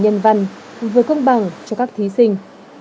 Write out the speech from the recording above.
nhân văn vừa cân bằng cho các thí sinh